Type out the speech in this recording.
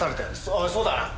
おいそうだな？